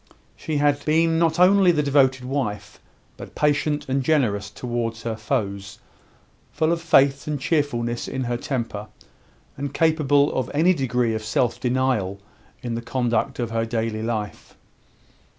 She had been not only the devoted wife, but patient and generous towards her foes, full of faith and cheerfulness in her temper, and capable of any degree of self denial in the conduct of her daily life.